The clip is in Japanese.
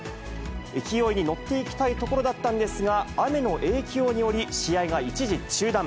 勢いに乗っていきたいところだったんですが、雨の影響により、試合が一時中断。